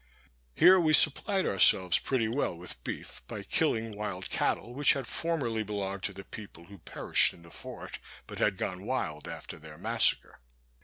Here we supplied ourselves pretty well with beef, by killing wild cattle which had formerly belonged to the people who perished in the fort, but had gone wild after their massacre.